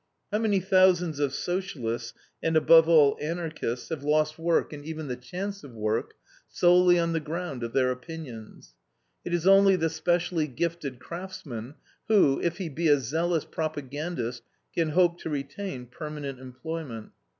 How many thousands of Socialists, and above all Anarchists, have lost work and even the chance of work, solely on the ground of their opinions. It is only the specially gifted craftsman, who, if he be a zealous propagandist, can hope to retain permanent employment.